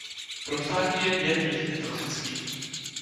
Pro ptáky je jen mírně toxický.